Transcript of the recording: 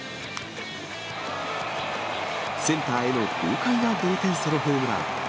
センターへの豪快な同点ソロホームラン。